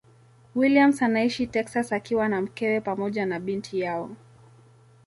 Williams anaishi Texas akiwa na mkewe pamoja na binti yao.